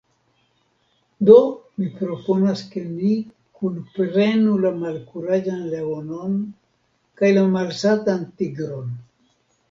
Do mi proponas ke ni kunprenu la Malkuraĝan Leonon kaj la Malsatan Tigron.